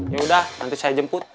yaudah nanti saya jemput